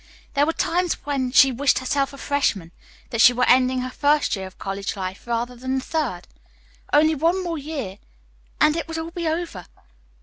There were times when she wished herself a freshman, that she were ending her first year of college life rather than the third. Only one more year and it would all be over.